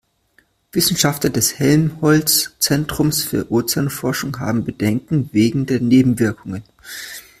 Wissenschaftler des Helmholtz-Zentrums für Ozeanforschung haben Bedenken wegen der Nebenwirkungen.